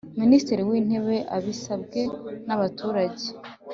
Minisitiri w Intebe abisabwe nabaturage